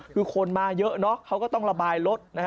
คือคนมาเยอะเขาก็ต้องระบายรถ